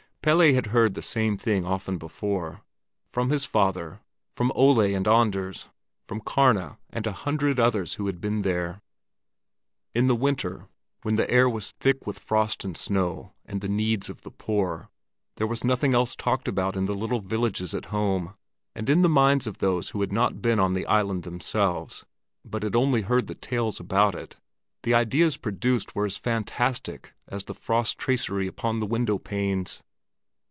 Pelle had heard the same thing often before—from his father, from Ole and Anders, from Karna and a hundred others who had been there. In the winter, when the air was thick with frost and snow and the needs of the poor, there was nothing else talked about in the little villages at home; and in the minds of those who had not been on the island themselves, but had only heard the tales about it, the ideas produced were as fantastic as the frost tracery upon the window panes.